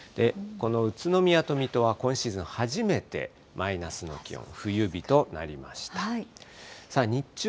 この宇都宮と水戸は、今シーズン初めてマイナスの気温、冬日となりました。